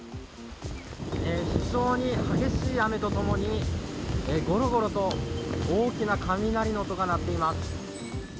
非常に激しい雨とともにゴロゴロと大きな雷の音が鳴っています。